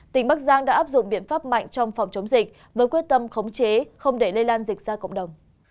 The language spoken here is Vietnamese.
tỉnh bắc giang đã áp dụng biện pháp mạnh trong phòng chống dịch với quyết tâm khống chế không để lây lan dịch ra cộng đồng